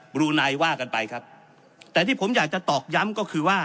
บรูไนว่ากันไปครับแต่ที่ผมอยากจะตอกย้ำก็คือว่า